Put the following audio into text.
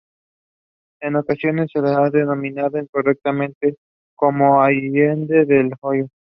En ocasiones se la ha denominado incorrectamente como Allende el Hoyo.